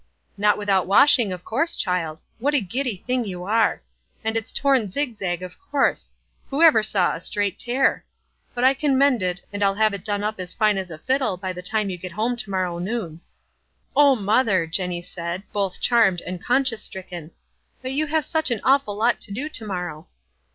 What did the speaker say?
"Not without washing, of course, child. What a giddy thing you are. And it's torn zig zag, of course; who ever saw a straight tear? But I can mend it, and I'll have it done up as fine as a fiddle by the tim^ you get home to morrow noon." 108 WISE AXT> OTHERWISE. "O mother !" Jenny said, both charmed and conscience stricken ;" but you have such an awful lot to do to morrow."